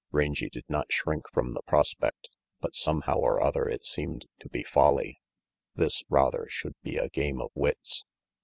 Rangy did not shrink from the prospect, but somehow or other it seemed to be folly. This, rather, should be a game of wits.